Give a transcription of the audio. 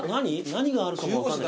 何があるかも分かんない。